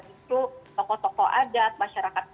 itu tokoh tokoh adat masyarakat